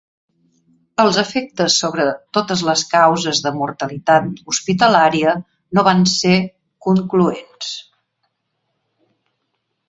Els efectes sobre totes les causes de mortalitat hospitalària no van ser concloents.